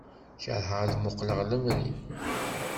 Kerheɣ ad muqleɣ lemri.